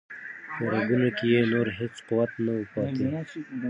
په رګونو کې یې نور هیڅ قوت نه و پاتې.